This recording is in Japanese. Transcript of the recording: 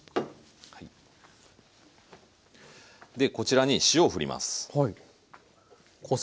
でこちらに塩をふります。